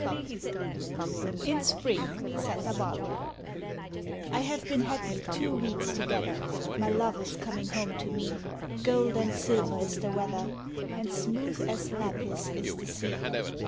VII In Spring, Santa Barbara I have been happy two weeks together, My love is coming home to me, Gold and silver is the weather And smooth as lapis is the sea.